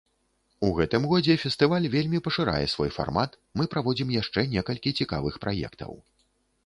У гэтым годзе фестываль вельмі пашырае свой фармат, мы праводзім яшчэ некалькі цікавых праектаў.